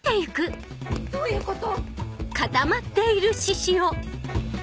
どういうこと